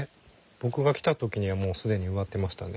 僕が来た時にはもう既に植わってましたね。